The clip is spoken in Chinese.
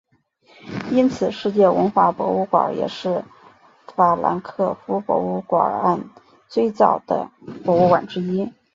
因此世界文化博物馆也是法兰克福博物馆岸最早的博物馆之一。